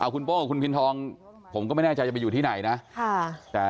คุณโป้กับคุณพินทองผมก็ไม่แน่ใจจะไปอยู่ที่ไหนนะ